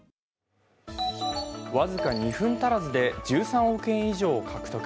僅か２分足らずで１３億円以上を獲得。